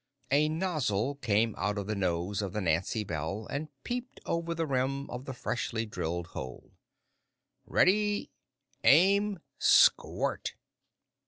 A nozzle came out of the nose of the Nancy Bell and peeped over the rim of the freshly drilled hole. "Ready! Aim! Squirt!"